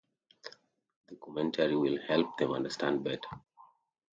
The commentary will help them understand better.